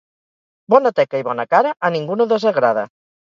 Bona teca i bona cara a ningú no desagrada.